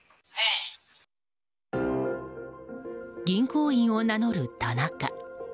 銀行員を名乗る田中。